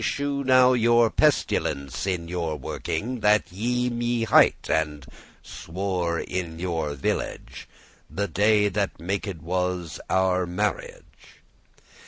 Shew now your patience in your working, That ye me hight* and swore in your village *promised The day that maked was our marriage."